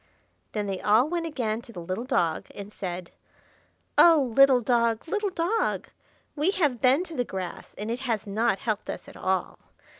Then they all went again to the little dog, and said,— "Oh, little dog, little dog! we have been to the grass, and it has not helped us at all.